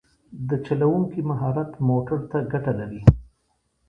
د چلوونکي مهارت موټر ته ګټه لري.